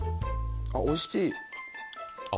あっおいしい。